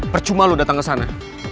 percuma lo dateng kesana